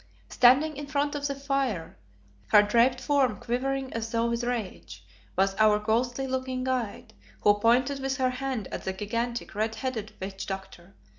Standing in front of the fire, her draped form quivering as though with rage, was our ghostly looking guide, who pointed with her hand at the gigantic, red headed witch doctor.